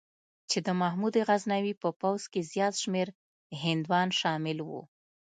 چې د محمود غزنوي په پوځ کې زیات شمېر هندوان شامل وو.